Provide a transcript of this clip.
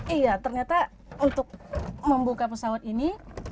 iya ternyata untuk membuka pesawat ini